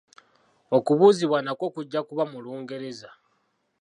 Okubuuzibwa nakwo kujja kuba mu Lungereza.